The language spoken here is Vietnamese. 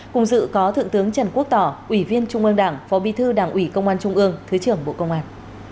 cùng dự có thượng tướng trần quốc tỏ ủy viên trung ương đảng phó bi thư đảng ủy công an trung ương thứ trưởng bộ công an